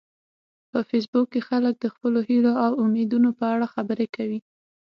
په فېسبوک کې خلک د خپلو هیلو او امیدونو په اړه خبرې کوي